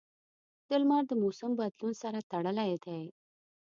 • لمر د موسم بدلون سره تړلی دی.